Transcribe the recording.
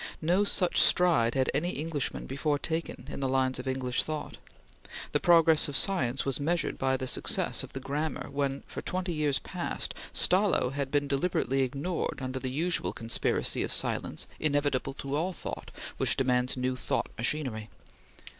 No such stride had any Englishman before taken in the lines of English thought. The progress of science was measured by the success of the "Grammar," when, for twenty years past, Stallo had been deliberately ignored under the usual conspiracy of silence inevitable to all thought which demands new thought machinery.